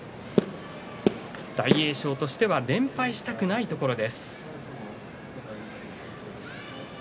大栄翔としては連敗したくないところです。